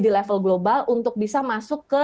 di level global untuk bisa masuk ke